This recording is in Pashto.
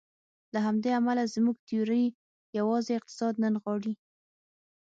له همدې امله زموږ تیوري یوازې اقتصاد نه نغاړي.